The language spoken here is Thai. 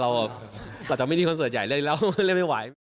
เราจะไม่มีคอนเสิร์ตใหญ่เล่นแล้วเล่นไม่ไหว